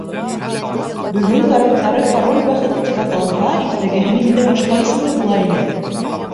Бөгөн караптары «Король бәхете» тип аталһа, иртәгеһен инде башҡа исемле була ине.